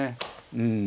うん。